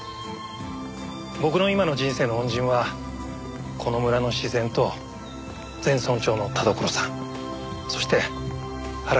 僕の今の人生の恩人はこの村の自然と前村長の田所さんそして原口さんなんです。